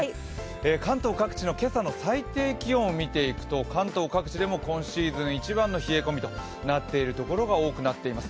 関東各地の今朝の最低気温を見ていくと関東各地でも今シーズン一番の冷え込みとなっている所が多くなっています。